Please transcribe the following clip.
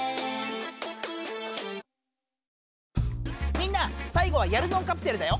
みんな最後はやるぞんカプセルだよ。